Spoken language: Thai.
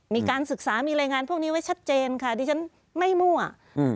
มีการศึกษามีรายงานพวกนี้ไว้ชัดเจนค่ะดิฉันไม่มั่วอืม